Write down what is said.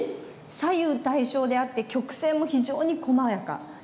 左右対称であって曲線も非常にこまやか。